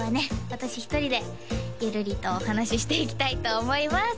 私一人でゆるりとお話ししていきたいと思います